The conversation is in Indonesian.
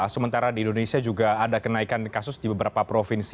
sementara di indonesia juga ada kenaikan kasus di beberapa provinsi